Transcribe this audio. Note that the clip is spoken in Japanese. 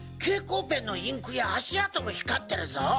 蛍光ペンのインクや足跡も光ってるぞ！